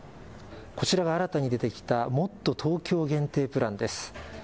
こちらが新たに出てきたもっとＴｏｋｙｏ限定プランです。